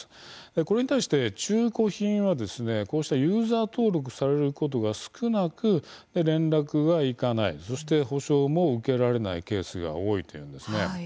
これに対して中古品はこうしたユーザー登録されることが少なく連絡がいかないそして補償も受けられないケースが多いというんですね。